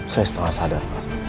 saya setengah sadar